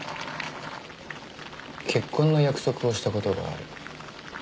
結婚の約束をした事がある。